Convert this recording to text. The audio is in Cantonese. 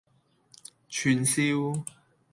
串燒